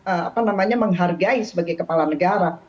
apa namanya menghargai sebagai kepala negara